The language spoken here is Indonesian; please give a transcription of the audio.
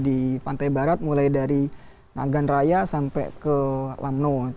di pantai barat mulai dari nagan raya sampai ke lamno